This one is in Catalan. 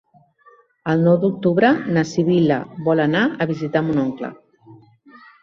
El nou d'octubre na Sibil·la vol anar a visitar mon oncle.